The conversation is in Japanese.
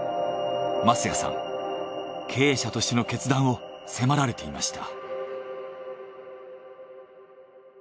舛屋さん経営者としての決断を迫られていました。